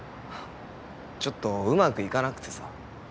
ちょっとうまくいかなくてさ。